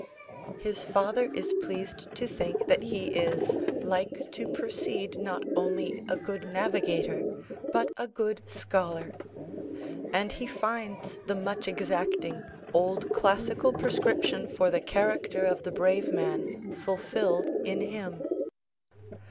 His father is pleased to think that he is "like to proceed not only a good navigator, but a good scholar": and he finds the much exacting, old classical prescription for the character of the brave man fulfilled in him.